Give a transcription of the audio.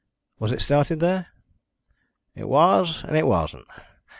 Was it started there?" "It was and it wasn't.